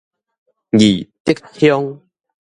義竹鄉